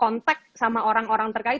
kontak sama orang orang terkait